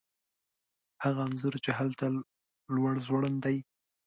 هغه انځور چې هلته لوړ ځوړند دی